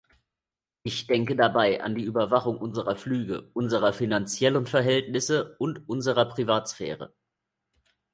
Ich denke dabei an die Überwachung unserer Flüge, unserer finanziellen Verhältnisse und unserer Privatsphäre.